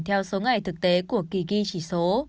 theo số ngày thực tế của kỳ ghi chỉ số